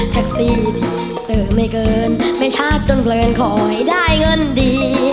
แท็กซี่ที่เติมไว้เกินแม้ชาติจนเผือนขอให้ได้เงินดี